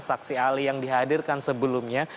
saksi ahli yang dihadirkan sebelumnya